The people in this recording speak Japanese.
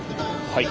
はい。